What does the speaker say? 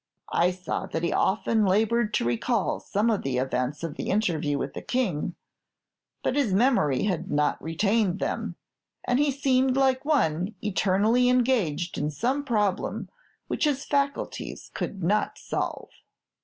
I saw that he often labored to recall some of the events of the interview with the King; but his memory had not retained them, and he seemed like one eternally engaged in some problem which his faculties could not solve.